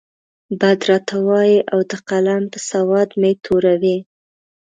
بد راته وايي او د قلم په سودا مې توره وي.